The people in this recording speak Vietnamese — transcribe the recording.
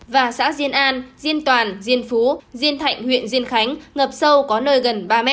và xã diên an diên toàn diên phú diên thạnh huyện diên khánh ngập sâu có nơi gần ba m